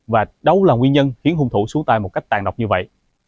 và đâu là nguyên nhân khiến hung thủ xuống tay một cách tàn độc như vậy